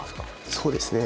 そうですね